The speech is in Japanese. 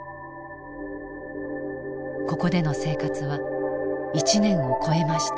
ここでの生活は１年を超えました。